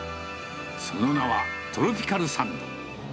その名は、トロピカルサンド。